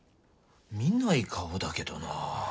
見ない顔だけどな。